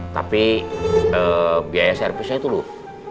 tapi biaya servisnya itu loh